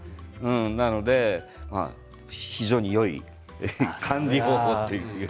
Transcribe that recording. なので非常によい管理方法というか。